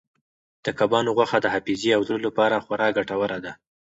د کبانو غوښه د حافظې او زړه لپاره خورا ګټوره ده.